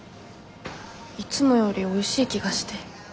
いつもよりおいしい気がして。